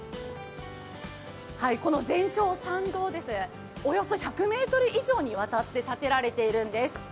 この全長、参道はおよそ１２０ｍにわたって建てられているんです。